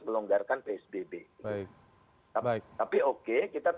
melonggarkan psbb baik tapi oke kitaanti